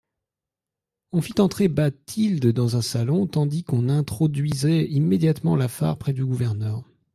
On fit entrer Bathilde dans un salon, tandis qu'on introduisait immédiatement Lafare près du gouverneur.